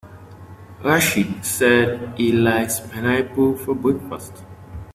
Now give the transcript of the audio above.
Rachid said he likes pineapple for breakfast.